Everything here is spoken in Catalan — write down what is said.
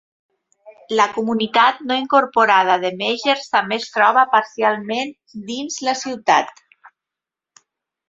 La comunitat no incorporada de Meggers també es troba parcialment dins la ciutat.